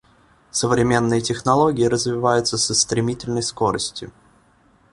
Современные технологии развиваются со стремительной скоростью.